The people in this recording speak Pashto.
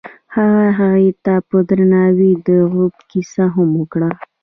هغه هغې ته په درناوي د غروب کیسه هم وکړه.